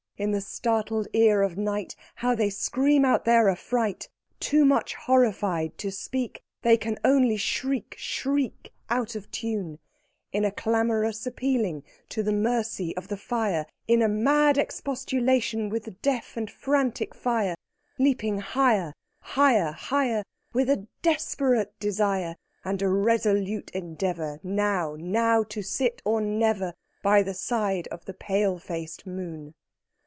In the startled ear of night How they scream out their affright! Too much horrified to speak, They can only shriek, shriek, Out of tune, In a clamorous appealing to the mercy of the fire, In a mad expostulation with the deaf and frantic fire Leaping higher, higher, higher, With a desperate desire, And a resolute endeavor Now now to sit or never, By the side of the pale faced moon.